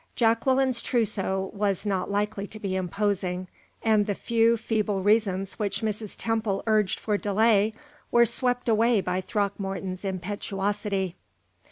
Jacqueline's trousseau was not likely to be imposing, and the few, feeble reasons which Mrs. Temple urged for delay were swept away by Throckmorton's impetuosity.